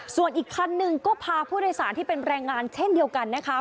ส่วนอีกคันหนึ่งก็พาผู้โดยสารที่เป็นแรงงานเช่นเดียวกันนะคะ